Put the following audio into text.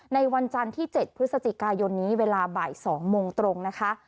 ในวันจันทร์ที่๗พฤศจิกายนนี้เวลาบ่าย๒โมงตรงนะคะ